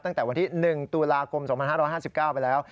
ตั้งแต่วันที่๑ตุลาคม๒๕๕๙ไปแล้ว